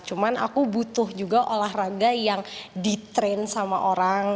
cuma aku butuh juga olahraga yang ditrain sama orang